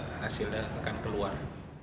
nanti hasilnya akan keluar